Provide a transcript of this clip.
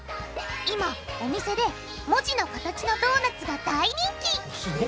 今お店で文字の形のドーナツが大人気！